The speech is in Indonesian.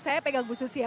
saya pegang bu susi ya